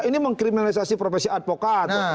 ini mengkriminalisasi profesi adpokat